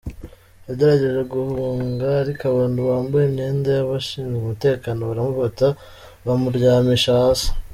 Yagerageje guhunga ariko abantu bambaye imyenda y’abashinzwe umutekano baramufata bamuryamisha hasi.